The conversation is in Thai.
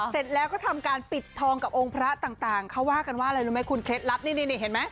เสร็จแล้วก็ทำการปิดทองกับองค์พระต่างเขาว่ากันว่าอะไรรู้ไหมคุณเคล็ดลับนี่เห็นไหม